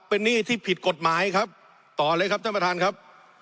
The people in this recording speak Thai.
เป็นหนี้ที่ผิดกฎหมายครับต่อเลยครับท่านประธานครับ